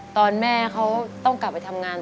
ตอนแม่เขาต้องกลับไปทำงาน